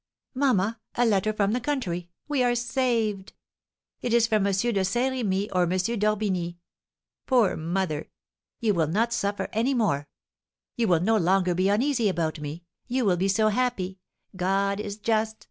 "Mamma, a letter from the country, we are saved! It is from M. de Saint Remy or M. d'Orbigny. Poor mother! You will not suffer any more; you will no longer be uneasy about me, you will be so happy! God is just!